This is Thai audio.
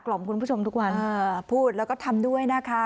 คุณผู้ชมทุกวันพูดแล้วก็ทำด้วยนะคะ